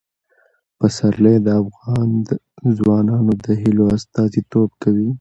پسرلی د افغان ځوانانو د هیلو استازیتوب کوي.